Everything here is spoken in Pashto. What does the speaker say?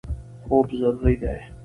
خوب ضروري دی.